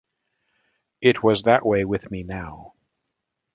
It was that way with me now.